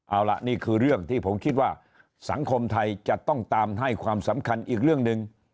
เอาล่ะนี่คือเรื่องที่ผมคิดว่าสังคมไทยจะต้องตามให้ความสำคัญอีกเรื่องหนึ่ง